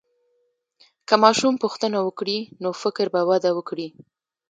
که ماشوم پوښتنه وکړي، نو فکر به وده وکړي.